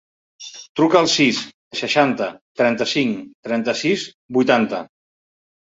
Truca al sis, seixanta, trenta-cinc, trenta-sis, vuitanta.